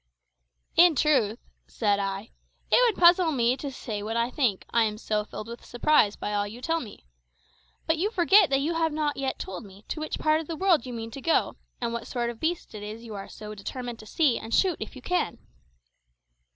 "In truth," said I, "it would puzzle me to say what I think, I am so filled with surprise by all you tell me. But you forget that you have not yet told me to which part of the world you mean to go, and what sort of beast it is you are so determined to see and shoot if you can."